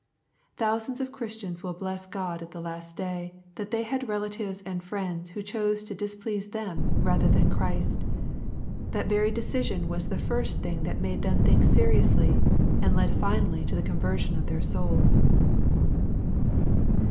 Thousands of Christians will bless God at the last day, that they had relatives and friends virho chose to displease them rather than Christ. That very decision was the first thing that made them think seriously, and led finallv to the conversion of their souls.